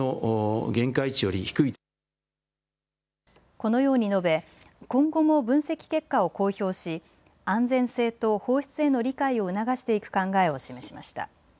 このように述べ、今後も分析結果を公表し安全性と放出への理解を促していく考えを示しました。